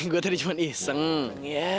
gua tadi cuma iseng ya